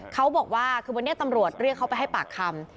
เขาบอกว่าคือวันนี้ตำรวจเรียกเขาไปให้ปากคำ